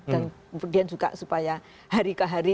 kemudian juga supaya hari ke hari